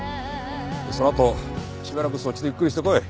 そのあとしばらくそっちでゆっくりしてこい。